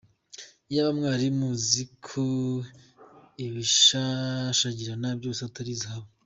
Iyaba mwari muzi ko ibishashagirana byose atari Zahabu.